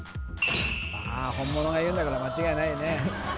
まあ本物が言うんだから間違いないよね